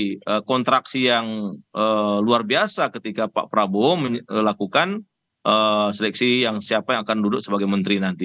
ini kontraksi yang luar biasa ketika pak prabowo melakukan seleksi yang siapa yang akan duduk sebagai menteri nanti